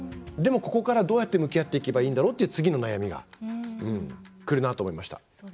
でも、ここからどうやって向き合っていけばいいんだろうっていう次の悩みがくるなと思いました。